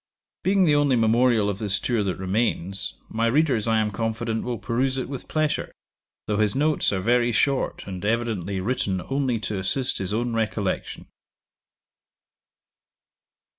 Being the only memorial of this tour that remains, my readers, I am confident, will peruse it with pleasure, though his notes are very short, and evidently written only to assist his own recollection.